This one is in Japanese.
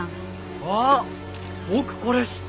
あっ！